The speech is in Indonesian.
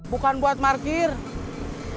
bukan buat market